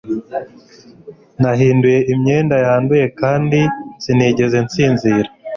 nahinduye imyenda yanduye kandi sinigeze nsinzira